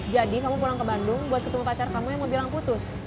jadi kamu pulang ke bandung buat ketemu pacar kamu yang mau bilang putus